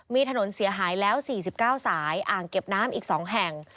มีถนนเสียหายแล้ว๔๙สายอ่างเก็บน้ำอีก๒แห่ง